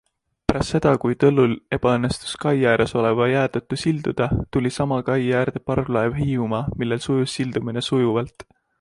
Pärast seda, kui Tõllul ebaõnnestus kai ääres oleva jää tõttu silduda, tuli sama kai äärde parvlaev Hiiumaa, millel sujus sildumine sujuvalt.